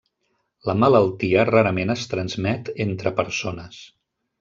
La malaltia rarament es transmet entre persones.